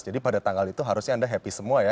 jadi pada tanggal itu harusnya anda happy semua ya